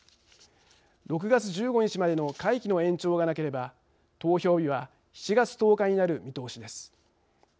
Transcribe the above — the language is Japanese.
６月１５日までの会期の延長がなければ投票日は７月１０日になる見通しです。